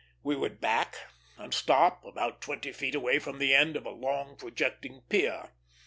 We would back and stop about twenty feet away from the end of a long, projecting pier.